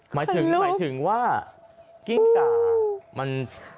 หมายถึงว่ากิ้งก่ามัน